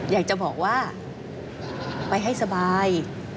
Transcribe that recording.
อยากจะบอกว่าไปให้สบาย